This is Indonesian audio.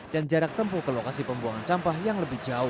dan jarak tempuh ke lokasi pembuangan sampah yang lebih jauh